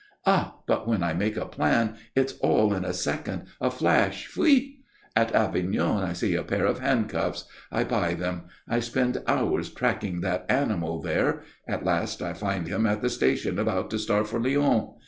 Ah, but when I make a plan, it's all in a second, a flash, pfuit! At Avignon I see a pair of handcuffs. I buy them. I spend hours tracking that animal there. At last I find him at the station about to start for Lyon.